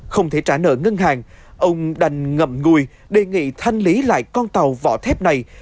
không thể trả nợ ngân hàng ông đành ngậm ngùi đề nghị thanh lý lại con tàu vỏ thép này